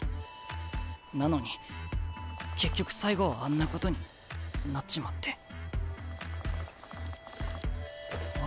なのに結局最後はあんなことになっちまって。